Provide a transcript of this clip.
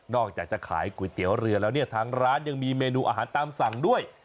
อกจากจะขายก๋วยเตี๋ยวเรือแล้วเนี่ยทางร้านยังมีเมนูอาหารตามสั่งด้วย